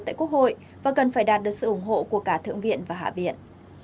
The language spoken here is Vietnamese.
tại quốc hội và cần phải đạt được sự ủng hộ của cả thượng viện và hạ viện